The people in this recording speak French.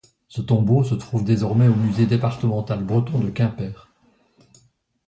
Ce tombeau se trouve désormais au musée départemental breton de Quimper.